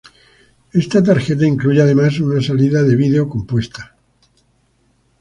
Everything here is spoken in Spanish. Esta tarjeta incluye además una salida de vídeo compuesto.